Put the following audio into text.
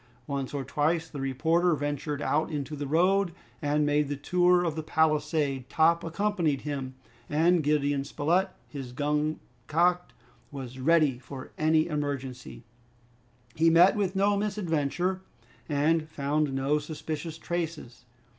Once or twice the reporter ventured out into the road and made the tour of the palisade. Top accompanied him, and Gideon Spilett, his gun cocked, was ready for any emergency. He met with no misadventure and found no suspicious traces.